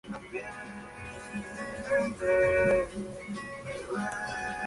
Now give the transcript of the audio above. Al principio era un baile de máscaras.